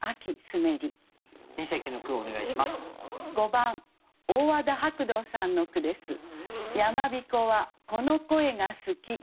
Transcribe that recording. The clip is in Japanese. ５番大和田博道さんの句です。